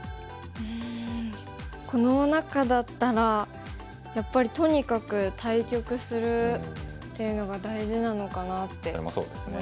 うんこの中だったらやっぱり「とにかく対局する」っていうのが大事なのかなって思いますね。